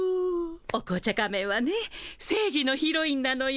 お紅茶仮面はね正義のヒロインなのよ。